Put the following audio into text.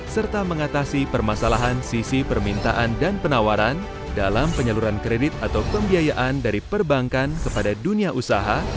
serta mengatasi permasalahan sisi permintaan dan penawaran dalam penyaluran kredit atau pembiayaan dari perbankan kepada dunia usaha